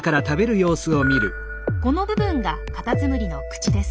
この部分がカタツムリの口です。